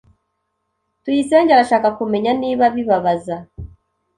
Tuyisenge arashaka kumenya niba bibabaza.